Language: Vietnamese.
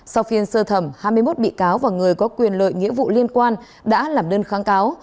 sau phiên sơ thẩm hai mươi một bị cáo và người có quyền lợi nghĩa vụ liên quan đã làm đơn kháng cáo